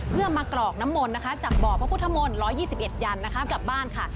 เพื่อมากรอกน้ำมนต์นะคะจากบ่อพระพุทธมนต์๑๒๑ยันนะคะกลับบ้านค่ะ